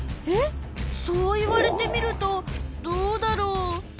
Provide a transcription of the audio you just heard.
えっそう言われてみるとどうだろう？